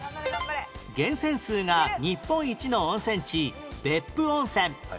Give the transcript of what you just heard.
源泉数が日本一の温泉地別府温泉